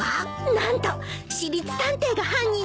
何と私立探偵が犯人なのよ。